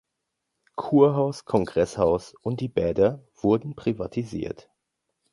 Kurhaus, Kongresshaus und die Bäder wurden privatisiert.